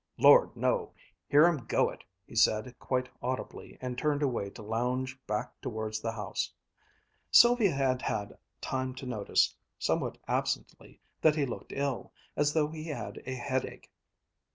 "Lord, no! Hear 'em go it!" he said quite audibly and turned away to lounge back towards the house. Sylvia had had time to notice, somewhat absently, that he looked ill, as though he had a headache.